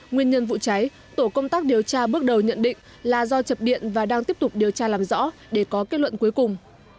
nguyên nhân vụ cháy tổ công tác điều tra bước đầu nhận định là do chập điện và đang tiếp tục điều tra làm rõ để có kết luận cuối cùng